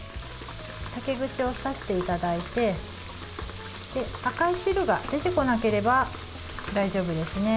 竹串を刺していただいて赤い汁が出てこなければ大丈夫です。